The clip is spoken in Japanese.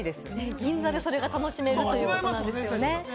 銀座でそれが楽しめるということですよね。